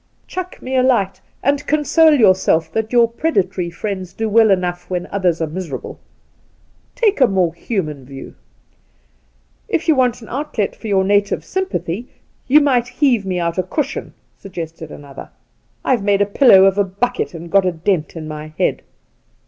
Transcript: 'Chuck me a light, and console yourself that your predatory friends do well eK0]igii when others are miserable. Take a more human view.' ' If you want an outlet for your native sympathy, you might heave me out a cushion,' suggested another. ' I've made a pillow of a bucket, "^and. got a dent in my head.